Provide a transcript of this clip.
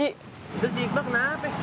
itu sih bang kenapa